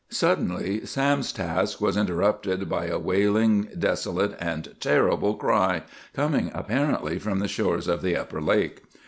Suddenly Sam's task was interrupted by a wailing, desolate, and terrible cry, coming apparently from the shores of the upper lake.